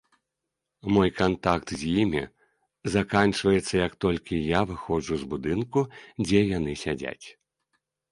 Мой кантакт з імі заканчваецца, як толькі я выходжу з будынку, дзе яны сядзяць.